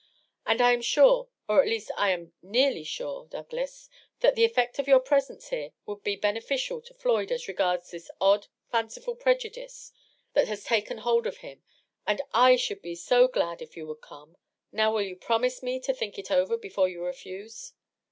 And I am sure — or at least I am nearh/ sure, Douglas — ^that the effect of your presence here would be beneficial to Floyd as regards this odd, fanciful prejudice that has taken hold of him. And I should be so glad if you would come !.. Now will you Cmise me to think it over before you refuse?"